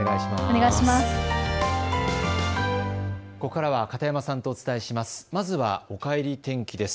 ここからは片山さんとお伝えします。